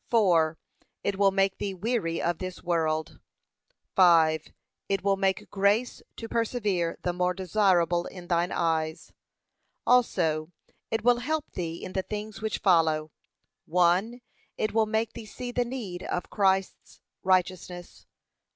It will make thee weary of this world. 5. It will make grace to persevere the more desirable in thine eyes. Also, it will help thee in the things which follow: l. It will make thee see the need of Christ's righteousness.